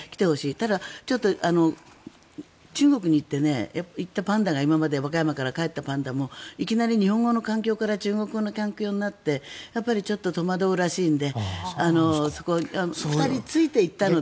ただ、ちょっと中国に行ったパンダが今まで和歌山から帰ったパンダもいきなり日本語の環境から中国語の環境になって、やっぱりちょっと戸惑うらしいので２人ついて行ったので。